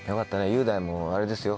雄大もあれですよ。